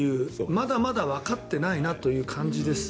まだまだわかってないなという感じです。